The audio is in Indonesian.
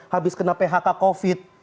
habis kena phk covid